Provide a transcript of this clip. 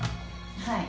はい。